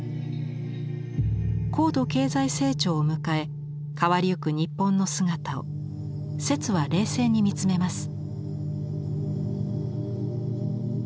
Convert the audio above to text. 高度経済成長を迎え変わりゆく日本の姿を摂は冷静に見つめます。